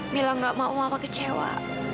mila gak mau mama kecewa